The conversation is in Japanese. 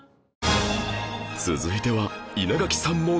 続いては稲垣さんも涙